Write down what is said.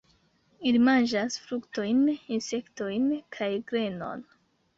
Ili manĝas fruktojn, insektojn kaj grenon.